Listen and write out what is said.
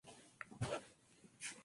Kearney en la industria.